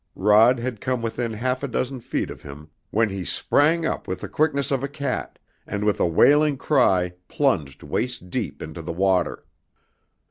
Rod had come within half a dozen feet of him when he sprang up with the quickness of a cat, and with a wailing cry plunged waist deep into the water.